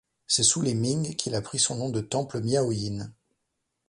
C'est sous les Ming qu'il prit son nom de Temple Miaoyin.